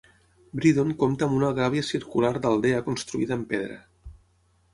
Breedon compta amb una gàbia circular d'aldea construïda en pedra.